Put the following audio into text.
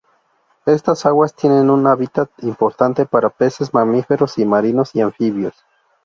Estas aguas tienen un hábitat importante para peces, mamíferos marinos y anfibios.